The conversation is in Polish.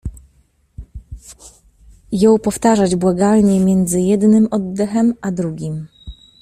Jął powtarzać błagalnie między jednym oddechem a drugim.